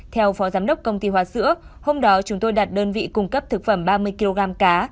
theo phó giám đốc công ty hoa sữa hôm đó chúng tôi đặt đơn vị cung cấp thực phẩm ba mươi kg cá